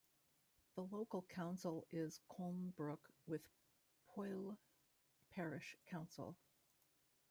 The local council is Colnbrook with Poyle Parish Council.